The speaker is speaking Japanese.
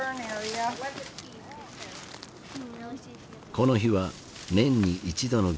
この日は年に一度の行事